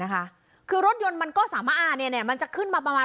คือรถยนต์มันก็สามารถอ่าเนี่ยมันจะขึ้นมาประมาณ